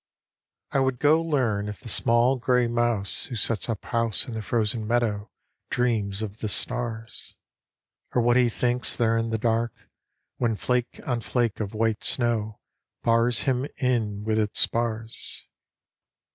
I would go learn If the small gray mouse Who sets up house In the frozen meadow Dreams of the stars. Or what he thinks There in the dark, When flake on flake Of white snow bars Him in with its spars.